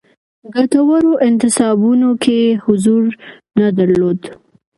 ګټورو انتصابونو کې حضور نه درلود.